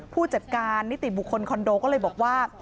ผู้จัดการนิติบุคคลคอนโดก็เลยบอกว่า